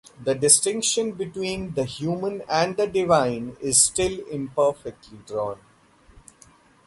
The distinction between the human and the divine is still imperfectly drawn.